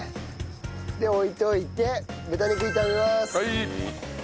で置いといて豚肉炒めます。